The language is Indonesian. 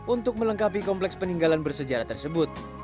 untuk melengkapi kompleks peninggalan bersejarah tersebut